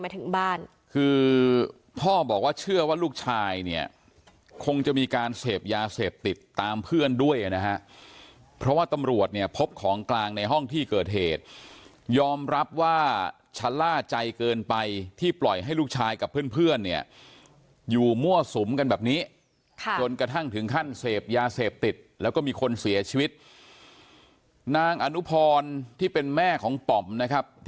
ถึงบ้านคือพ่อบอกว่าเชื่อว่าลูกชายเนี่ยคงจะมีการเสพยาเสพติดตามเพื่อนด้วยนะฮะเพราะว่าตำรวจเนี่ยพบของกลางในห้องที่เกิดเหตุยอมรับว่าชะล่าใจเกินไปที่ปล่อยให้ลูกชายกับเพื่อนเพื่อนเนี่ยอยู่มั่วสุมกันแบบนี้จนกระทั่งถึงขั้นเสพยาเสพติดแล้วก็มีคนเสียชีวิตนางอนุพรที่เป็นแม่ของป่อมนะครับ